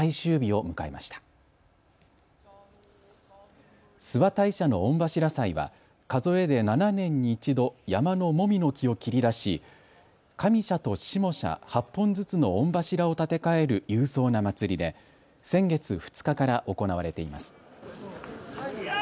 諏訪大社の御柱祭は数えで７年に１度、山のもみの木を切り出し上社と下社８本ずつの御柱を建て替える勇壮な祭りで先月２日から行われています。